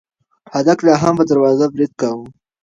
هلک لا هم په دروازه برید کاوه.